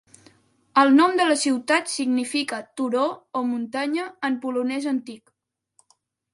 El nom de la ciutat significa "turó" o "muntanya" en polonès antic.